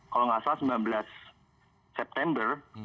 kalau nggak salah sembilan belas september